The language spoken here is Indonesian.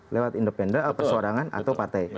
lewat independen persorangan atau partai